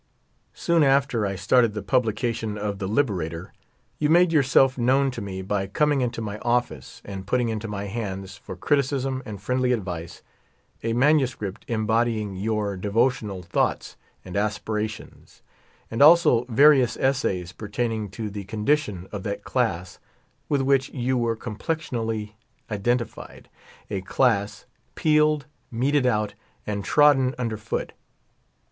Soon after I started the publication of The Liberator you made your self known to me by coming into my office and putting into my hands, for criticism and friendly advice, a manu script embodying your devotional thoughts and aspira tions, and also various essaj^s pertaining to the condition of that class with which you were complexionally iden tified — a class "peeled, meeted out, and trodden under foot."